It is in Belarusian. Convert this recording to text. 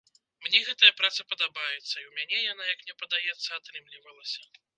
Мне гэтая праца падабаецца і ў мяне яна, як мне падаецца, атрымлівалася.